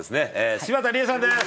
柴田理恵さんです。